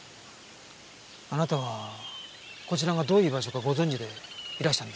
あなたはこちらがどういう場所かご存じでいらしたんですか？